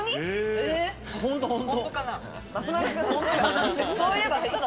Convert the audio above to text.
本当かな？